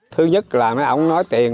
thứ nhất là ông nói tiền